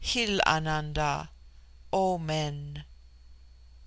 Hil Ananda, O Men.